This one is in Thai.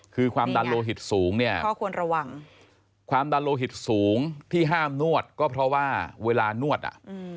คือความดันโลหิตสูงเนี่ยก็ควรระวังความดันโลหิตสูงที่ห้ามนวดก็เพราะว่าเวลานวดอ่ะ